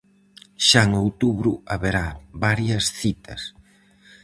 Xa en outubro haberá varias citas.